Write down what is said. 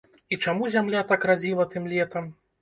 І чаму зямля так радзіла тым летам?